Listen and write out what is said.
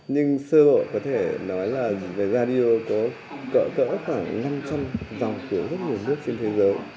nhưng sơ bộ có thể nói là về radio có cỡ cỡ khoảng năm trăm linh dòng của rất nhiều nước trên thế giới